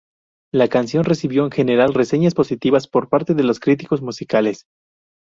La canción recibió en general reseñas positivas por parte de los críticos musicales.